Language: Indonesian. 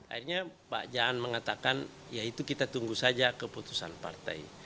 akhirnya pak jaan mengatakan ya itu kita tunggu saja keputusan partai